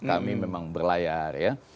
kami memang berlayar ya